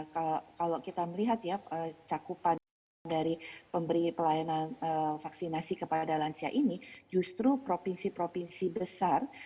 kalau kita melihat ya cakupan dari pemberi pelayanan vaksinasi kepada lansia ini justru provinsi provinsi besar